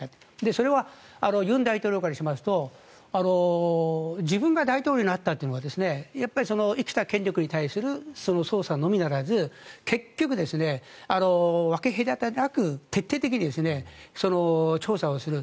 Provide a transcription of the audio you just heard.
それは尹大統領からしますと自分が大統領になったというのが生きた権力に対する捜査のみならず結局、分け隔てなく徹底的にその調査をする。